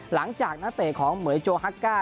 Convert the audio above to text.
หลังจากนัดเตะของเหมือยโจฮักก้า